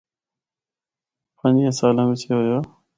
پنچیاں سالاں بچ اے ہویا۔